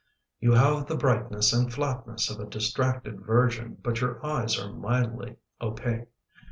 " You have the brightness and flatness of a distracted virgin but your eyes are mildly opaque.